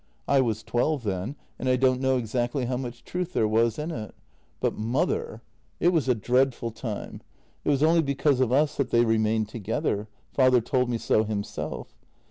I was twelve then, and I don't know exactly how much truth there was in it. But mother! ... it was a dreadful time. It was only because of us that they remained together — father told me so himself.